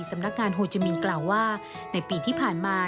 สำนักงานโฮจามินกล่าวว่าในปีที่ผ่านมา